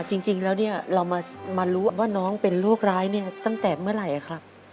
จริงแล้วเนี่ยเรามารู้ว่าน้องเป็นโรคร้ายเนี่ยตั้งแต่เมื่อไหร่ครับ